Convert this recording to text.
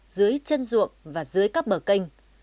dưới chân ruộng và dưới các bờ kênh